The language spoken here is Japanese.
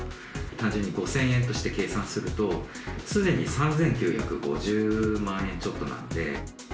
単純に５０００円として計算するとすでに３９５０万円ちょっとなので。